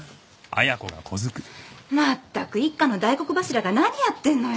まったく一家の大黒柱が何やってんのよ。